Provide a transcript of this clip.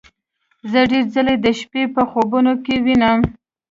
زه ډیر ځله د شپې په خوبونو کې وینم